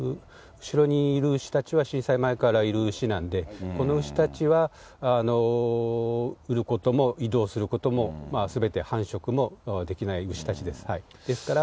後ろにいる牛たちは、震災前からいる牛なんで、この牛たちは売ることも、移動することも、すべて繁殖もできない牛たちです。